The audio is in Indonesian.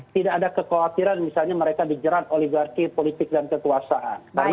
tidak ada kekhawatiran misalnya mereka dijerat oligarki politik dan kekuasaan